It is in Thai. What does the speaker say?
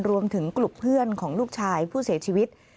รวมถึงกลุ่มเพื่อนของลูกชายผู้เสียชีวิต